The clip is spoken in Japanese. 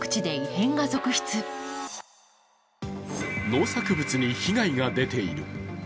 農作物に被害が出ている。